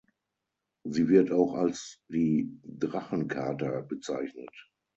Sie wird auch als die „Drachen-Kata“ bezeichnet.